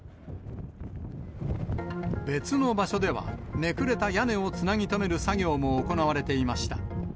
別の場所では、めくれた屋根をつなぎとめる作業も行われていました。